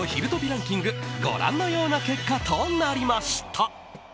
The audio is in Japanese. ランキングご覧のような結果となりました。